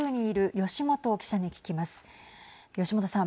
吉元さん。